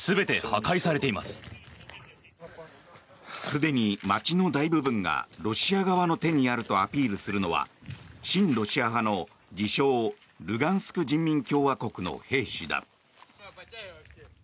すでに街の大部分がロシア側の手にあるとアピールするのは親ロシア派の自称・ルガンスク人民共和国の兵士だ。